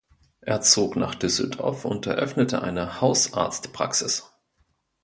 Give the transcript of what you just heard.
Er zog nach Düsseldorf und eröffnete eine Hausarztpraxis.